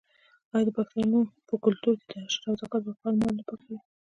آیا د پښتنو په کلتور کې د عشر او زکات ورکول مال نه پاکوي؟